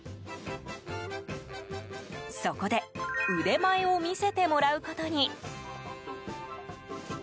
そこで腕前を見せてもらうことに。